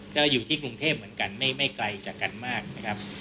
ก็อยู่ที่กรุงเทพเหมือนกันไม่ไกลจากกันมากนะครับ